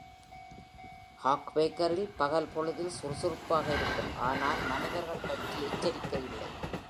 hog badger பகல் பொழுதில் சுறுசுறுப்பாக இருக்கும் ஆனால் மனிதர்கள பற்றி எச்சரிக்கை இல்லை.